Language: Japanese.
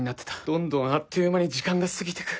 どんどんあっという間に時間が過ぎてく。